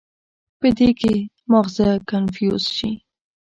پۀ دې کښې مازغه کنفيوز شي